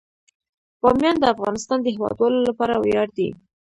بامیان د افغانستان د هیوادوالو لپاره ویاړ دی.